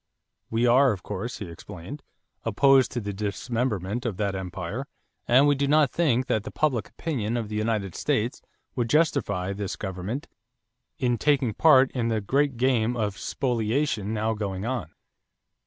"We are, of course," he explained, "opposed to the dismemberment of that empire and we do not think that the public opinion of the United States would justify this government in taking part in the great game of spoliation now going on."